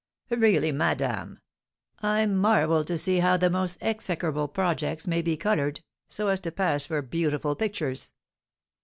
"Really, madame, I marvel to see how the most execrable projects may be coloured, so as to pass for beautiful pictures!"